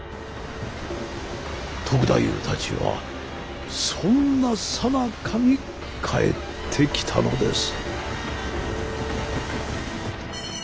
篤太夫たちはそんなさなかに帰ってきたのです。